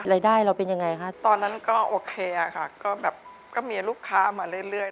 รายได้เราเป็นยังไงคะตอนนั้นก็โอเคค่ะก็แบบก็มีลูกค้ามาเรื่อย